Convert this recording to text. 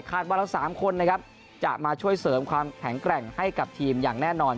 ว่าเรา๓คนนะครับจะมาช่วยเสริมความแข็งแกร่งให้กับทีมอย่างแน่นอน